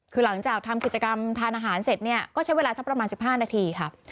คือหลังจากทำกิจกรรมทานอาหารเสร็จเนี่ยก็ใช้เวลาสักประมาณ๑๕นาทีค่ะ